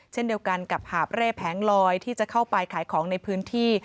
เช่นเดียวกันกับหาบเร่แผงลอยที่จะเข้าไปขายของในพื้นที่